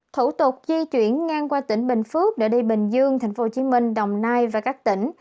thủ tục di chuyển ngang qua tỉnh bình phước để đi bình dương thành phố hồ chí minh đồng nai và các tỉnh